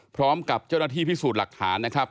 พร้อมกับเจ้าหน้าที่พิสูจน์หลักฐานนะครับ